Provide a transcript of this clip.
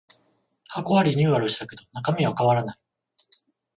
箱はリニューアルしたけど中身は変わらない